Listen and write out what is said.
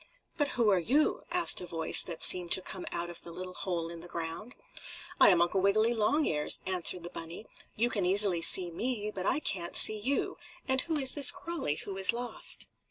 "But who are you?" asked a voice that seemed to come out of the little hole in the ground. "I am Uncle Wiggily Longears," answered the bunny. "You can easily see me, but I can't see you. And who is this Crawlie who is lost?"